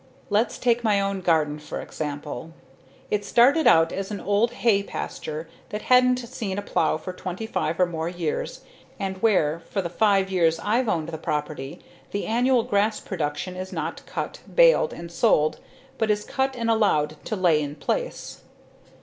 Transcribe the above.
Let's take my own garden for example. It started out as an old hay pasture that hadn't seen a plow for twenty five or more years and where, for the five years I've owned the property, the annual grass production is not cut, baled, and sold but is cut and allowed to lie in place.